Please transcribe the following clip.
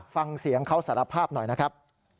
ฟังเสียงเขาสารภาพหน่อยนะครับ